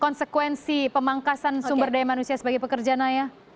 konsekuensi pemangkasan sumber daya manusia sebagai pekerja naya